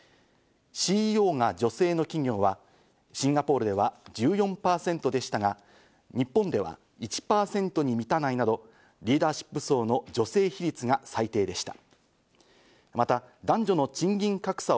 ＣＥＯが女性の企業はシンガポールでは１４％でしたが、日本では１％に満たないなど、リーダーシップ層の女性比率が最低でした。